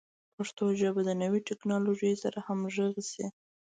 پښتو ژبه د نویو ټکنالوژیو سره همغږي شي.